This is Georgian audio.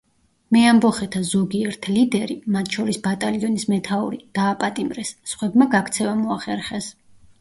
მეამბოხეთა ზოგიერთ ლიდერი, მათ შორის ბატალიონის მეთაური, დააპატიმრეს; სხვებმა გაქცევა მოახერხეს.